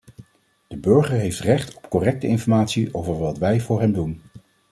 De burger heeft recht op correcte informatie over wat wij voor hem doen.